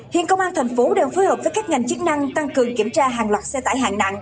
hiện công an thành phố đang phối hợp với các ngành chức năng tăng cường kiểm tra hàng loạt xe tải hạng nặng